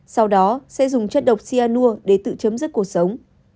sau đó sẽ dùng chất độc cyanur để tự chấm dứt cuộc sống